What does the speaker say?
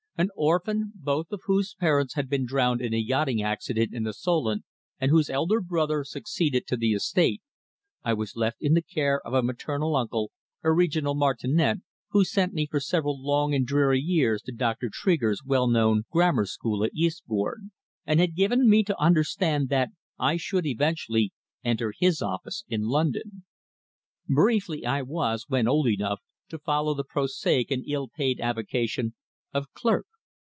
An orphan, both of whose parents had been drowned in a yachting accident in the Solent and whose elder brother succeeded to the estate, I was left in the care of a maternal uncle, a regular martinet, who sent me for several long and dreary years to Dr. Tregear's well known Grammar school at Eastbourne, and had given me to understand that I should eventually enter his office in London. Briefly, I was, when old enough, to follow the prosaic and ill paid avocation of clerk.